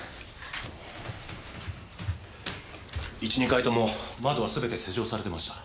１２階とも窓は全て施錠されてました。